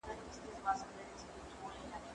هغه وويل چي د کتابتون کتابونه لوستل کول مهم دي!.